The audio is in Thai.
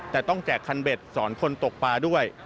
แต่ต้องแจกคันเบ็ดสอนคนตกปลาด้วย